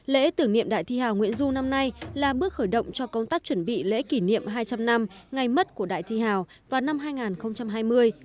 lễ tưởng niệm đại thi hào nguyễn du năm nay là bước khởi động cho công tác chuẩn bị lễ kỷ niệm hai trăm linh năm ngày mất của đại thi hào vào năm hai nghìn hai mươi